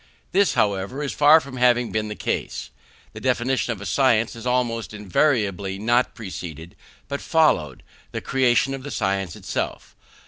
This, however, is far from having been the case. The definition of a science has almost invariably not preceded, but followed, the creation of the science itself.